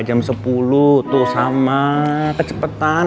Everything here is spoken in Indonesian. jam sepuluh tuh sama kecepatan